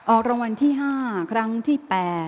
ออกรางวัลที่๕ครั้งที่๘